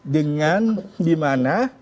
dengan di mana